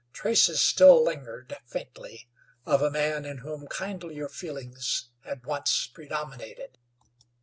Traces still lingered, faintly, of a man in whom kindlier feelings had once predominated.